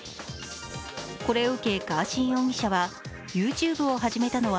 これを受けガーシー容疑者はＹｏｕＴｕｂｅを始めたのは